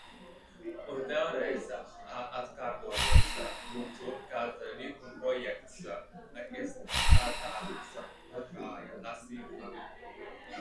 Un vēlreiz atkārtojiet, lūdzu, kad likumprojekts izskatāms otrajā lasījumā.